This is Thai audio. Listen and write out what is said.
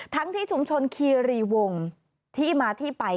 ที่ชุมชนคีรีวงที่มาที่ไป